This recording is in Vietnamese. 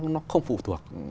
nó không phụ thuộc